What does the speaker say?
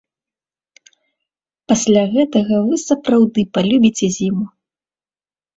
Пасля гэтага вы сапраўды палюбіце зіму!!!